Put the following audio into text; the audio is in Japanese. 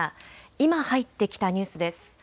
今入ってきたニュースです。